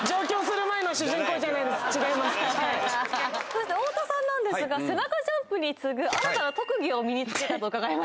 そして太田さんなんですが背中ジャンプに次ぐ新たな特技を身に付けたと伺いました